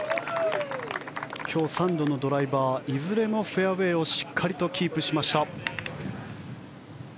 今日３度のドライバーいずれもフェアウェーをしっかりキープしました。